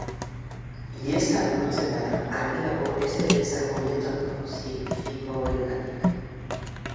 Ihesa burutzen bada, argi dago ez dela izango metodo zientifikoengatik.